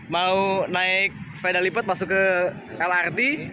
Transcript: mau naik sepeda lipat masuk ke lrt